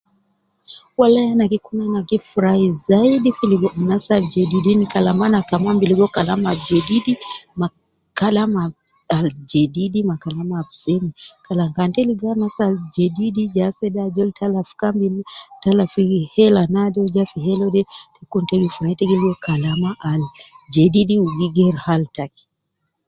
Walayi ana gi kun ana gi , furayi zayidi logo anas al jedidin, kalam ana kaman bi logo kalam al . jedid ma kalam al seme. Kan ita logo anas al jedid ja ajol tala fi kambi naade uwo ja fi kambi fi hela uwede ita bilogo kalam al jedid, u gi geeru hali taki.